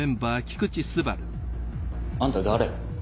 あんた誰？